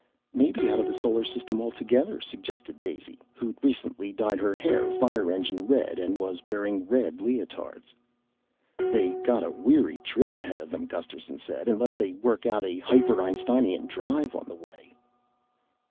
"Maybe out of the solar system altogether," suggested Daisy, who'd recently dyed her hair fire engine red and was wearing red leotards. "They got a weary trip ahead of them," Gusterson said, "unless they work out a hyper Einsteinian drive on the way."